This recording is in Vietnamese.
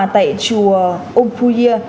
tại chùa ông phu yêu